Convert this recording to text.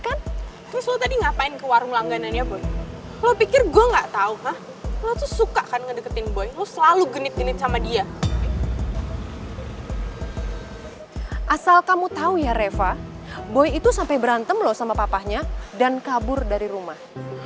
asal kamu tau ya reva boy itu sampe berantem sama papahnya dan kabur dari rumah